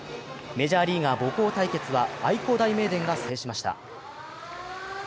メジャーリーガー母校対決は愛工大名電が制しました。